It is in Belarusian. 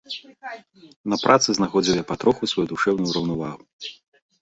На працы знаходзіў я патроху сваю душэўную раўнавагу.